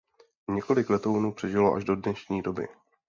Několik letounů přežilo až do dnešní doby.